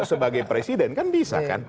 sebagai presiden kan bisa kan